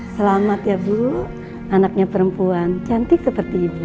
selamat ya bu anaknya perempuan cantik seperti ibu